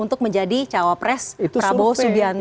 untuk menjadi cawapres prabowo subianto